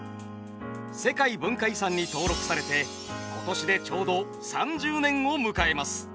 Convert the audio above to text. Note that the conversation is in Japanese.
世界文化遺産に登録されて今年でちょうど３０年を迎えます。